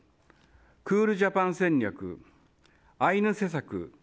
クールジャパン戦略アイヌ施策